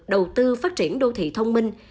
đầu tư phát triển đô thị thông minh